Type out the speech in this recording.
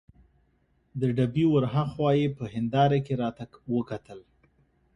د ډبې ور هاخوا یې په هندارې کې راته وکتل.